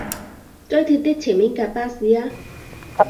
追貼啲前面架巴士吖